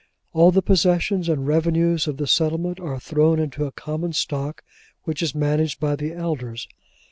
All the possessions and revenues of the settlement are thrown into a common stock, which is managed by the elders.